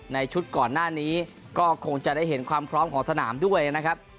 ในชุดก่อนหน้านี้ก็คงจะได้เห็นความพร้อมของสนามด้วยนะครับ